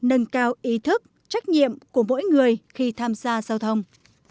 nâng cao ý thức trách nhiệm của mỗi người khi tham gia giao thông